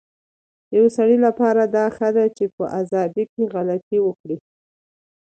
يو سړي لپاره دا ښه ده چي په ازادی کي غلطي وکړی